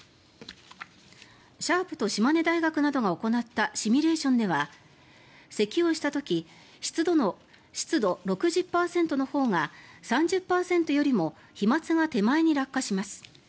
シャープと島根大学などが行ったシミュレーションではせきをした時湿度６０％のほうが３０％よりも飛まつが手前に落下します。